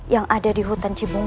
yang ada di hutan cibung